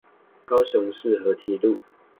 高雄市河堤路